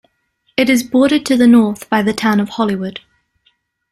It is bordered to the north by the town of Hollywood.